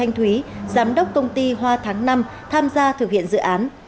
ông nguyễn thành thúy giám đốc công ty hoa tháng năm tham gia thực hiện dự án